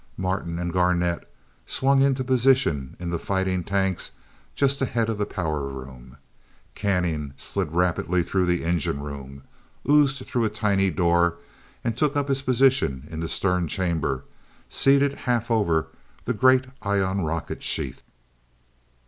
Martin and Garnet swung into position in the fighting tanks just ahead of the power rooms; Canning slid rapidly through the engine room, oozed through a tiny door, and took up his position in the stern chamber, seated half over the great ion rocket sheath.